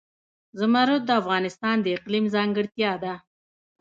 زمرد د افغانستان د اقلیم ځانګړتیا ده.